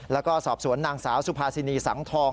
แล้วก็สอบสวนนางสาวสุภาษินีสังทอง